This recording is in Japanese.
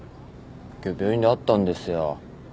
今日病院で会ったんですよ。